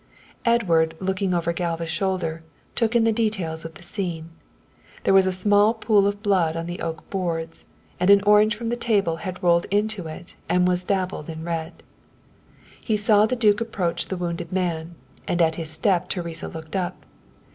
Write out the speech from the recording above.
Edward, looking over Galva's shoulder, took in the details of the scene. There was a small pool of blood on the oak boards, and an orange from the table had rolled into it and was dabbled in red. He saw the duke approach the wounded man, and at his step Teresa looked up.